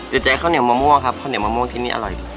ใจข้าวเหนียวมะม่วงครับข้าวเหนียวมะม่วงที่นี่อร่อย